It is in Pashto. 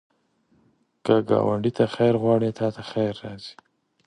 که ګاونډي ته خیر غواړې، تا ته خیر راځي